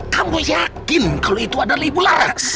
kamu yakin kalau itu adalah ibu laras